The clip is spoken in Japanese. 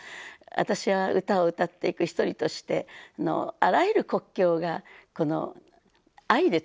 私は歌を歌っていく一人としてあらゆる国境がこの愛でつなぐものである。